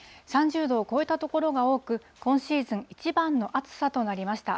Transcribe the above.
３０度を超えた所が多く、今シーズン一番の暑さとなりました。